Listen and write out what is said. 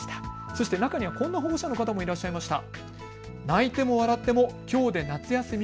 そして中にはこんな保護者の方もいらっしゃいました。